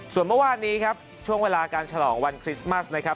ส่วนเมื่อวานนี้ครับช่วงเวลาการฉลองวันคริสต์มัสนะครับ